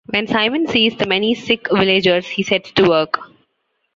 When Simon sees the many sick villagers, he sets to work.